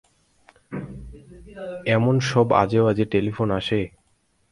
এমন সব আজেবাজে টেলিফোন আসে।